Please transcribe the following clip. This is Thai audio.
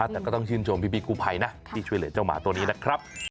แต่ก็ต้องชื่นชมพี่กู้ภัยนะที่ช่วยเหลือเจ้าหมาตัวนี้นะครับ